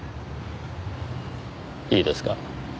いいですか。